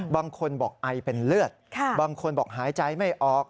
บางคนบอกไอเป็นเลือดบางคนบอกหายใจไม่ออก